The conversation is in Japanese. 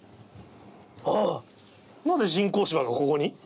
ああ、なぜ人工芝がここに？